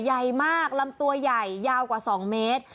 ใหญ่มากลำตัวใหญ่ยาวกว่า๒เมตร